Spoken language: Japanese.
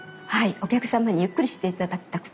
お客様にゆっくりしていただきたくて。